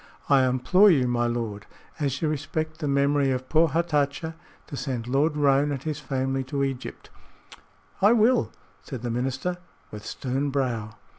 I implore you, my lord, as you respect the memory of poor Hatatcha, to send Lord Roane and his family to Egypt." "I will," said the minister, with stern brow.